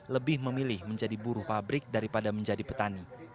lebih memilih menjadi buruh pabrik daripada menjadi petani